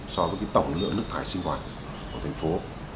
hai mươi ba bảy so với cái tổng lượng nước thải sinh hoạt của thành phố